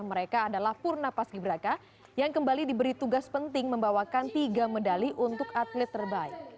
mereka adalah purna paski beraka yang kembali diberi tugas penting membawakan tiga medali untuk atlet terbaik